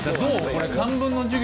これ漢文の授業